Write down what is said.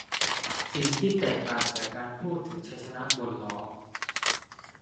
สิ่งที่แตกต่างจากการพูดถึงชัยชนะบนล้อ